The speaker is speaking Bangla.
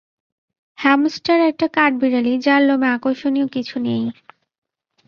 হ্যামস্টার একটা কাঠবিড়ালি যার লোমে আকর্ষণীয় কিছু নেই।